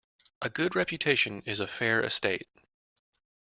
A good reputation is a fair estate.